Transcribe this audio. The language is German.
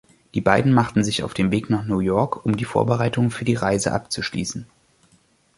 Die beiden machten sich auf den Weg nach New York, um die Vorbereitungen für die Reise abzuschließen.